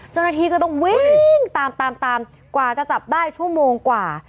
เจ้าหน้าที่ก็ต้องวิ่งตามตามกว่าจะจับได้ชั่วโมงกว่า